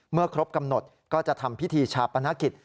เมื่อครบกำหนดก็จะทำพิธีฉาปนักศิษย์